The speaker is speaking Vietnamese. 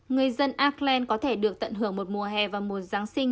người dân auckland có thể được tận hưởng một mùa hè và một giáng sinh